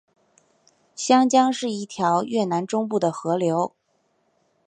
香江是一条越南中部的河流。